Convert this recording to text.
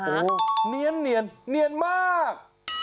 โอ้โหเนียนเนียนมาก